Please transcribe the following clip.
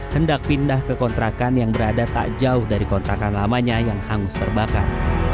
hendak pindah ke kontrakan yang berada tak jauh dari kontrakan lamanya yang hangus terbakar